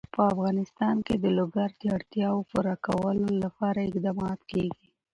په افغانستان کې د لوگر د اړتیاوو پوره کولو لپاره اقدامات کېږي.